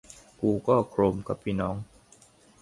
กูเก้อ โครม ! ครับพี่น้อง